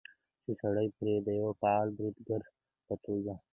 چې سړى پرې د يوه فعال بريدګر په توګه